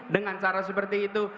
dengan cara seperti itu